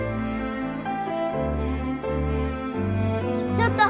ちょっと！